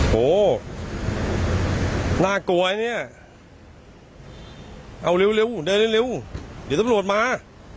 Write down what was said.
โหน่ากลัวเนี้ยเอาเร็วเร็วเดินเร็วเร็วเดี๋ยวต้องรถมา